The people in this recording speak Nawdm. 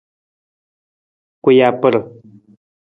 Kuyabre.